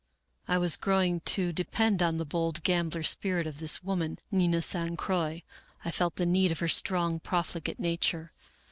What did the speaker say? " I was growing to depend on the bold gambler spirit of this woman, Nina San Croix ; I felt the need of her strong, profligate nature.